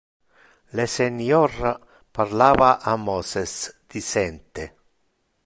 Le Senior parlava a Moses dicente: